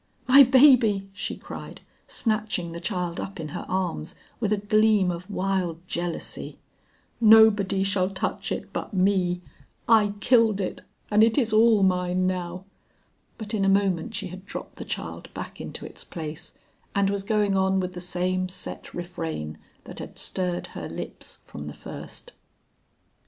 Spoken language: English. "My baby!" she cried, snatching the child up in her arms with a gleam of wild jealousy; "nobody shall touch it but me. I killed it and it is all mine now!" But in a moment she had dropped the child back into its place, and was going on with the same set refrain that had stirred her lips from the first.